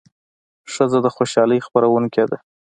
ښځه د خوشالۍ خپروونکې ده.